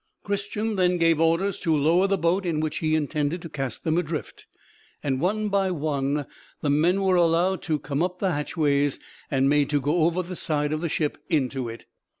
Christian then gave orders to lower the boat in which he intended to cast them adrift, and one by one the men were allowed to come up the hatchways, and made to go over the side of the ship into it.